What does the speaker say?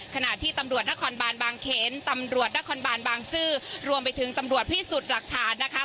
ขณะที่ตำรวจนครบานบางเขนตำรวจนครบานบางซื่อรวมไปถึงตำรวจพิสูจน์หลักฐานนะคะ